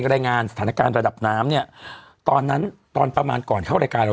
รายงานสถานการณ์ระดับน้ำเนี่ยตอนนั้นตอนประมาณก่อนเข้ารายการเรา